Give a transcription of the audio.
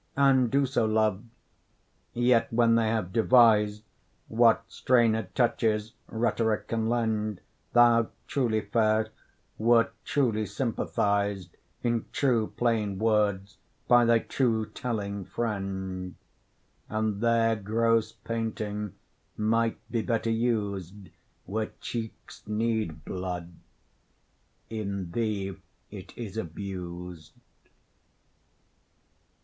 And do so, love; yet when they have devis'd, What strained touches rhetoric can lend, Thou truly fair, wert truly sympathiz'd In true plain words, by thy true telling friend; And their gross painting might be better us'd Where cheeks need blood; in thee it is abus'd.